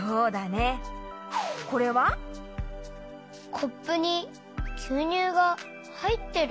コップにぎゅうにゅうがはいってる。